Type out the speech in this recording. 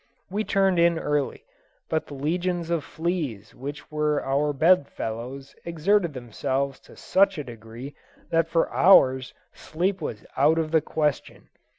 We turned in early, but the legions of fleas which were our bedfellows exerted themselves to such a degree that for hours sleep was out of the question.